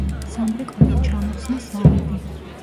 სამრეკლოდან ჩამოხსნეს ზარები.